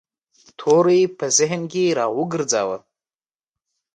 توری په ذهن کې را وګرځاوه.